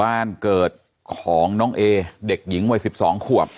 บ้านเกิดของน้องเอเด็กหญิงวัย๑๒ขวบ